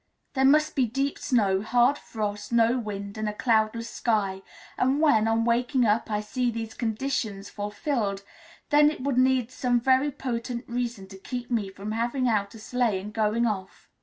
There must be deep snow, hard frost, no wind, and a cloudless sky; and when, on waking up, I see these conditions fulfilled, then it would need some very potent reason to keep me from having out a sleigh and going off.